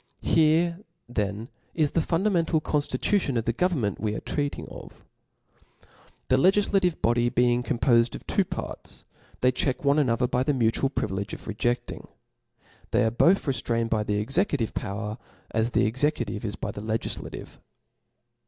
Here then is the fundamental conftitution of the government we are treating of. The legiflative bo dy being compofed of two parts, they check one another by the mutual privilege of rejefting. They are both rcftrained by the executive power, as the executive is by the legiflative.